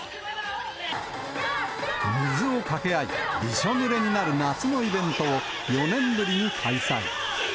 水を掛け合い、びしょぬれになる夏のイベントを、４年ぶりに開催。